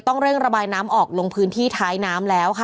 เร่งระบายน้ำออกลงพื้นที่ท้ายน้ำแล้วค่ะ